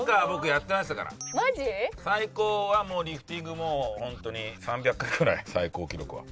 最高はリフティングもうホントに３００回ぐらい最高記録は。